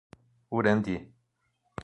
Urandi